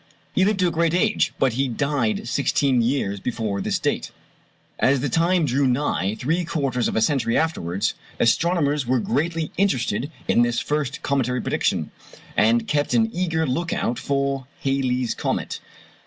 He lived to a great age, but he died sixteen years before this date. As the time drew nigh, three quarters of a century afterwards, astronomers were greatly interested in this first cometary prediction, and kept an eager look out for "Halley's comet."